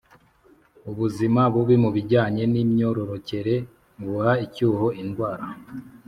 Ubuzima bubi mu bijyanye n’imyororokere buha icyuho indwara,